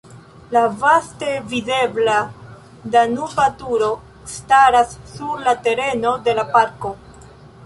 La vaste videbla Danuba Turo staras sur la tereno de la parko.